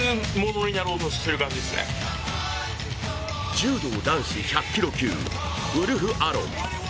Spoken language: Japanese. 柔道男子１００キロ級、ウルフ・アロン。